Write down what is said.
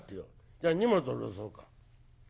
じゃあ荷物下ろそうか。